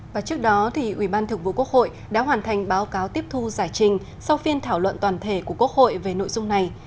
và trước đó thì ubthq đã hoàn thành báo cáo tiếp thu giải trình sau phiên thảo luận toàn thể của quốc hội về nội dung này